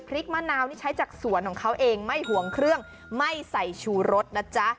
มะนาวนี่ใช้จากสวนของเขาเองไม่ห่วงเครื่องไม่ใส่ชูรสนะจ๊ะ